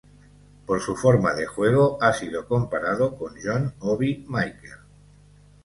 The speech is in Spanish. Por su forma de juego, ha sido comparado con John Obi Mikel.